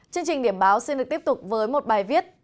chương trình điểm báo xin được tiếp tục với một bài viết